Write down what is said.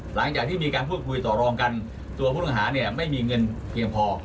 หลังจากที่มีการพูดคุยต่อรองกันตัวผู้ต้องหาเนี่ยไม่มีเงินเพียงพอ